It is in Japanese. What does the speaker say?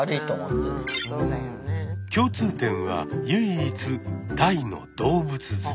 共通点は唯一「大の動物好き」。